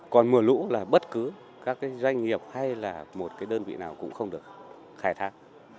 còn mưa lũ là bất cứ các doanh nghiệp hay là một cái đơn vị nào cũng không được khai thác